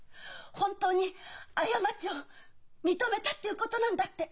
本当に過ちを認めたっていうことなんだって。